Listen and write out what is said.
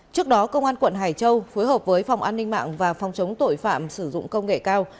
trước đó công an quận hải châu phối hợp với phòng an ninh mạng và phòng chống tội phạm sử dụng công nghệ cao